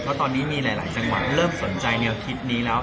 เพราะตอนนี้มีหลายจังหวัดเริ่มสนใจแนวคิดนี้แล้ว